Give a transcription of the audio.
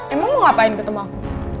emang lo ngapain ketemu aku